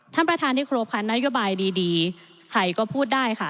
ท่านประธานที่ครบคันนโยบายดีใครก็พูดได้ค่ะ